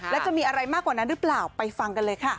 และจะมีอะไรมากกว่านั้นหรือเปล่าไปฟังกันเลยค่ะ